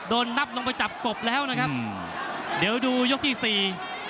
โดนนับลงไปจับกบแล้วนะครับเดี๋ยวดูยกที่สี่